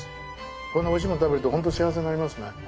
こんなおいしいものを食べると本当幸せになりますね。